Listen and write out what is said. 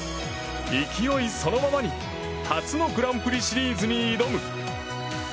勢いそのままに初のグランプリシリーズに挑む。